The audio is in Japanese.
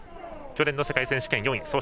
去年の世界選手権４位。